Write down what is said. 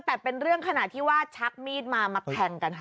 แต่เป็นเรื่องขณะที่ว่าชักมีดมามาแทงกันค่ะ